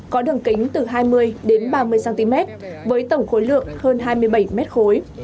có đường kính từ hai mươi đến ba mươi cm với tổng khối lượng hơn hai mươi bảy mét khối